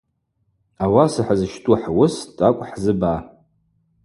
Ауаса хӏызщту хӏуыс тӏакӏв хӏзыба.